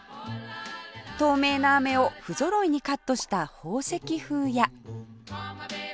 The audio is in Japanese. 透明なあめを不ぞろいにカットした宝石風や